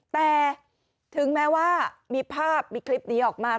แต่ถึงแม้ว่ามีภาพมีคลิปนี้ออกมา